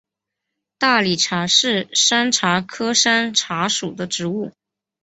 大理茶是山茶科山茶属的植物。